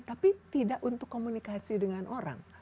tapi tidak untuk komunikasi dengan orang